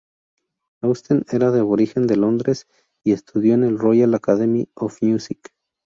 Austen era aborigen de Londres, y estudió en el Royal Academy of Music.